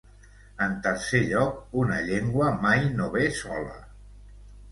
En tercer lloc, una "llengua" mai no ve sola.